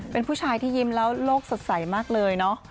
เป็นผู้ชายที่ยิ้มแล้วโลกสดใสมากเลยเนาะ